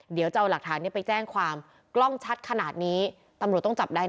เดี๋ยวจะเอาหลักฐานนี้ไปแจ้งความกล้องชัดขนาดนี้ตำรวจต้องจับได้แ